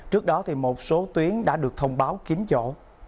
trước đó một số tuyến đã được thông báo kín chỗ